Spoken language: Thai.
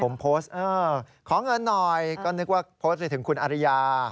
ผมโพสต์ขอเงินหน่อยก็นึกว่าโพสต์ไปถึงคุณอริยา